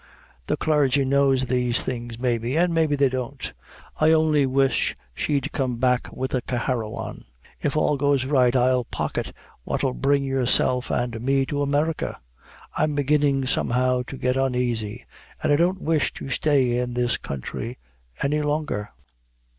The clargy knows these things maybe an' maybe they don't. I only wish she'd come back with the caaharrawan. If all goes right, I'll pocket what'll bring yourself an' me to America. I'm beginnin' somehow to get unaisy; an' I don't wish to stay in this country any longer."